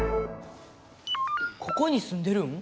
ここにすんでるん？